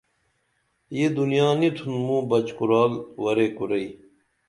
یہ دنیا نی تُھن موں بچ کُرال ورے کُرئی